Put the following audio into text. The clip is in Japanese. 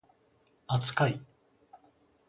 扱い